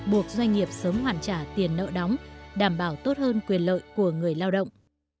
buộc doanh nghiệp sớm hoàn trả tiền nợ đóng đảm bảo tốt hơn quyền lợi của người lao động